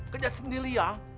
kerja sendiri ya